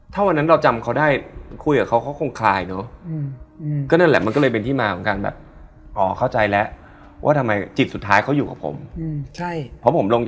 ความน่ากลัวของพวกเราไม่เท่ากัน